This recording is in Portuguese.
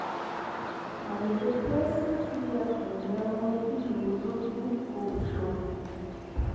Mais depressa se apanha um mentiroso que um coxo.